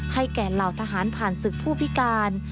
แก่เหล่าทหารผ่านศึกผู้พิการ